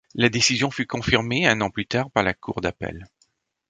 La décision fut confirmée, un an plus tard, par la Cour d'appel.